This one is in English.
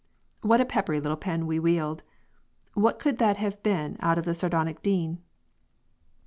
What a peppery little pen we wield! What could that have been out of the sardonic Dean?